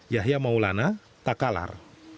yahya maulana takalar